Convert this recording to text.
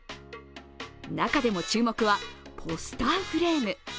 中でも注目は、ポスターフレーム。